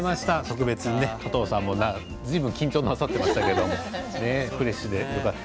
加藤さんもずいぶん緊張なさっていましたけれどもフレッシュでよかった。